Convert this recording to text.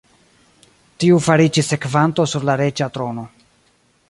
Tiu fariĝis sekvanto sur la reĝa trono.